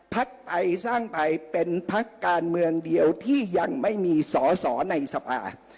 พักไทยสร้างไทยเป็นพักการเมืองเดียวที่ยังไม่มีสอสอในสภา